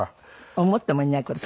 思ってもいない事だし。